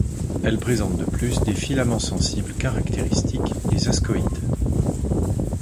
Elles présentent de plus des filaments sensibles caractéristiques, les ascoïdes.